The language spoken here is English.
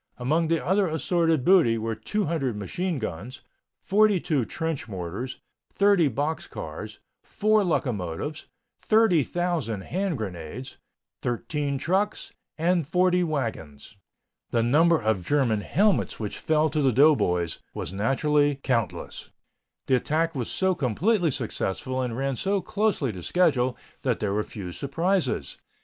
Among the other assorted booty were 200 machine guns, 42 trench mortars, 30 box cars, 4 locomotives, 30,000 hand grenades, 13 trucks, and 40 wagons. The number of German helmets which fell to the doughboys was naturally countless. The attack was so completely successful and ran so closely to schedule that there were few surprises.